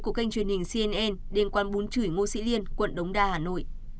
của kênh truyền hình cnn đến quán bún chửi ngô sĩ liên quận đống đa hà nội